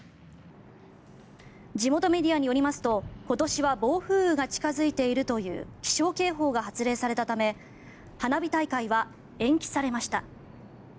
地元メディアによりますと今年は暴風雨が近付いているという気象警報が発令されたため花火大会は延期されました。